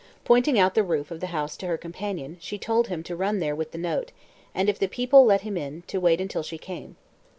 Pointing out the roof of the house to her companion, she told him to run there with the note, and, if the people let him in, to wait until she came.